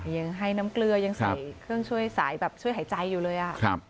ยังให้น้ำเกลือยังใส่เครื่องช่วยสายแบบช่วยหายใจอยู่เลย